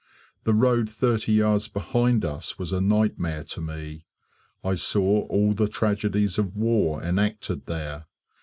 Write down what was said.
The road thirty yards behind us was a nightmare to me. I saw all the tragedies of war enacted there.